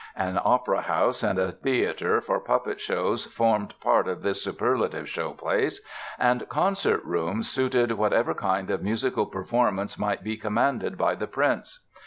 An opera house and a theatre for puppet shows formed part of this superlative show place; and concert rooms suited whatever kind of musical performances might be commanded by the prince.